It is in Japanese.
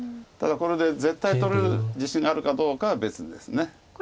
ただこれで絶対取れる自信があるかどうかは別です。